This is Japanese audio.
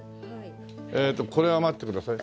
えとこれは待ってください。